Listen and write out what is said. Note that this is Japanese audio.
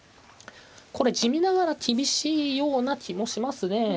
これ地味ながら厳しいような気もしますね。